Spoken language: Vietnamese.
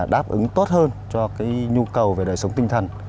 đáp ứng tốt hơn cho cái nhu cầu về đời sống tinh thần